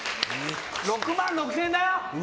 ６万６０００円だよ！